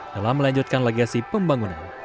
telah melanjutkan legasi pembangunan